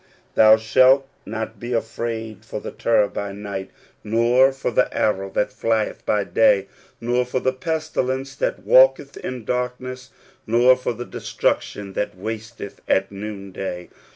Thou shalt not be afraid for the terror by night ; nor for the arrow that flieth by day ; nor for the pestilence that walketh in darkness ; nor for the destruction that wasteth at noonday.